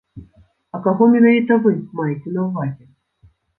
А каго менавіта вы маеце на ўвазе?